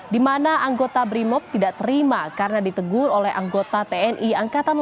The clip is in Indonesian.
di mana anggota brimop tidak terima karena ditegur oleh anggota tni angkatan